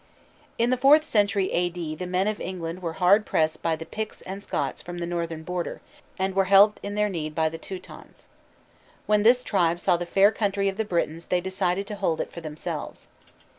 In the fourth century A. D., the men of England were hard pressed by the Picts and Scots from the northern border, and were helped in their need by the Teutons. When this tribe saw the fair country of the Britons they decided to hold it for themselves.